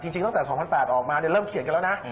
จริงตั้งแต่๒๐๐๘๐๐ออกมาเริ่มเขียนกันแล้วนะ